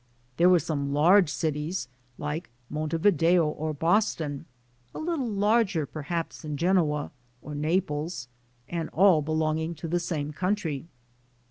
There were some large cities like Montevi deo or Boston, a little larger perhaps than Genoa, or Naples, and all belonging to the same country.